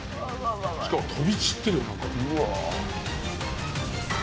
しかも飛び散ってるよなんか。